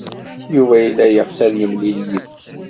Yuba yella yeɣs ad yemlil yid-k.